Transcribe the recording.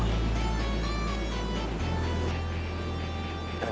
gue pulang ya be ya